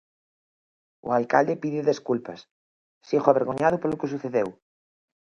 O alcalde pide desculpas: Sigo avergoñado polo que sucedeu.